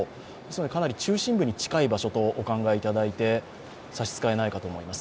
かなり中心部に近い場所とお考えいただいて差し支えないかと思います。